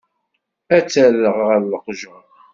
Ad t-rreɣ ɣer leqjer.